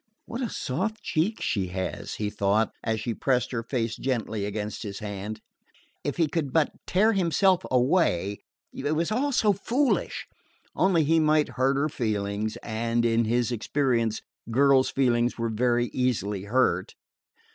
"What a soft cheek she has!" he thought as she pressed her face gently against his hand. If he could but tear himself away it was all so foolish! Only he might hurt her feelings, and, in his experience, girls' feelings were very easily hurt.